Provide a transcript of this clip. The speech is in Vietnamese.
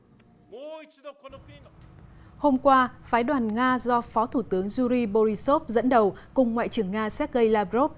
hôm qua phái đoàn nga do phó thủ tướng yuri borisov dẫn đầu cùng ngoại trưởng nga sergei lavrov